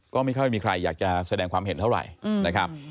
ก็ไม่ค่อยมีใครอยากจะแสดงความเห็นเท่าไหร่นะครับ